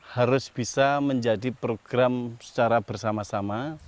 harus bisa menjadi program secara bersama sama